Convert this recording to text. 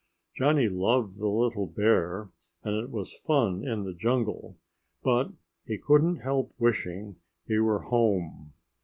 Johnny loved the little bear, and it was fun in the jungle, but he couldn't help wishing he were home.